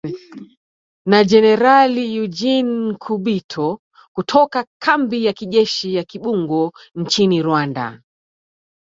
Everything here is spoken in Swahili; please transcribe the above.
Na Generali Eugene Nkubito, kutoka kambi ya kijeshi ya Kibungo nchini Rwanda''.